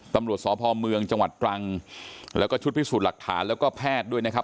ตำรวจสพเมืองจังหวัดตรังแล้วก็ชุดพิสูจน์หลักฐานแล้วก็แพทย์ด้วยนะครับ